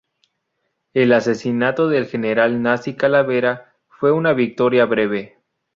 El asesinato del general nazi Calavera fue una victoria breve.